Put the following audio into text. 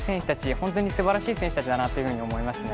本当に素晴らしい選手たちだなと思いますね。